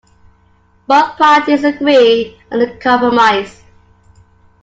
Both parties agree on the compromise.